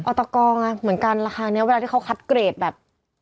ตกอไงเหมือนกันราคานี้เวลาที่เขาคัดเกรดแบบ